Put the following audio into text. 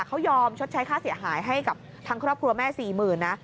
เขายอมชดใช้ค่าเสียหายให้กับทางครอบครัวแม่๔๐๐๐นะ